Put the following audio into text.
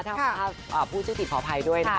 ใช่ไหมคะถ้าพูดชื่อติดพอภัยด้วยนะคะ